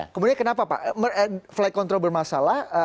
kemudian kenapa pak flight control bermasalah